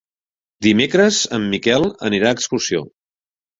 Dimecres en Miquel anirà d'excursió.